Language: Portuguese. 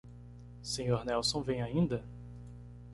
Sr. Nelson vem ainda?